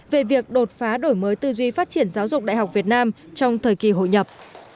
về việc đột phá đổi mới tư duy phát triển giáo dục đại học việt nam trong thời kỳ hội nhập